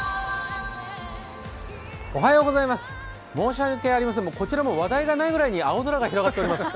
申し訳ありません、こちらも話題がないぐらいに青空が広がっております。